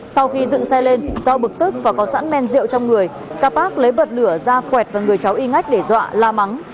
sau khi dựng xe lên do bực tức và có sẵn men rượu trong người các bác lấy bật lửa ra quẹt vào người cháu y ngách để dọa la mắng